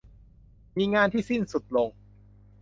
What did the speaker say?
มีงานที่สิ้นสุดลง